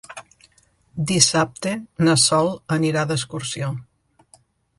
Dissabte na Sol anirà d'excursió.